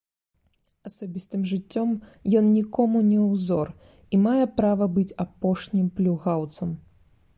Асабістым жыццём ён нікому не ўзор і мае права быць апошнім плюгаўцам.